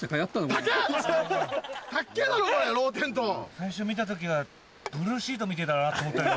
最初見た時はブルーシートみてぇだなと思ったけど。